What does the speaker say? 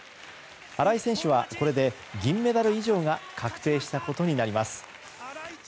新井選手はこれで銀メダル以上が確定したことになります。